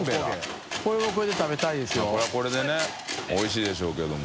これでねおいしいでしょうけども。